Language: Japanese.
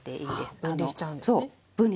そう分離しちゃうんですよ。